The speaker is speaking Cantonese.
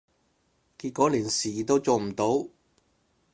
結果連事都做唔到